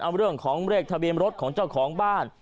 เอาเรื่องของเลขทะเบียนรถของเจ้าของบ้าน